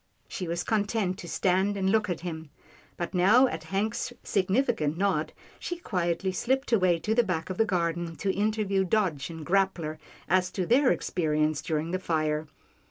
She was content to stand and look at him, but now at Hank's significant nod, she quietly slipped away to the back of the garden, to interview Dodge and Grappler as to their experiences during the fire.